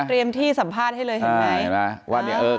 ตี้มที่สัมภาษณ์ให้เลยเห็นไงเว้นเนี่ย